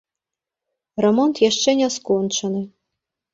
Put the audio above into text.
Рамонт яшчэ не скончаны.